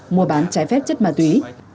mua bán trái phép chất ma túy